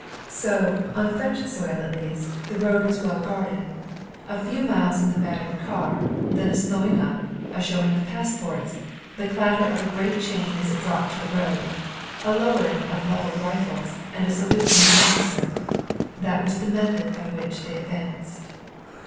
So, on French soil at least, the road was well guarded. A few miles in the battered car, then a slowing up, a showing of passports, the clatter of a great chain as it dropped to the road, a lowering of leveled rifles, and a salute from the officer that was the method by which they advanced.